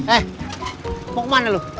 eh mau kemana lu